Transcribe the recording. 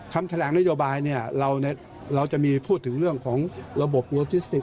คำแถลงนโยบายเนี่ยเราจะมีพูดถึงเรื่องของระบบโลจิสติก